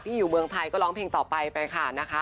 อยู่เมืองไทยก็ร้องเพลงต่อไปไปค่ะนะคะ